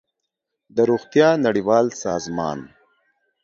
د روغتیا نړیوال سازمان